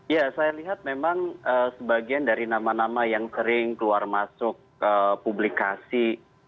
ya saya lihat memang sebagian dari nama nama yang sering keluar masuk publikasi